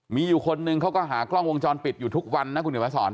มีอยู่คนนึงเขาก็หากล้องวงจรปิดอยู่ทุกวันนะคุณเดี๋ยวมาสอน